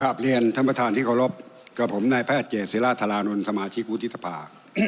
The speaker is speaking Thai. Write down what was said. เรียนท่านประธานที่เคารพกับผมนายแพทย์เกดศิราธารานนท์สมาชิกวุฒิสภา